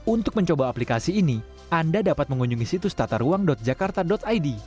untuk mencoba aplikasi ini anda dapat mengunjungi situs tata ruang jakarta id